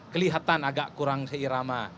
kelihatan agak kurang seirama